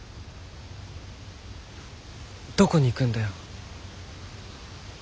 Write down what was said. どこに行くんだよ。